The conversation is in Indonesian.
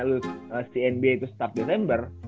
kalau misalnya lu si nba itu start november